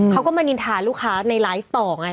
เขาก็มานินทาลูกค้าในไลฟ์ต่อไง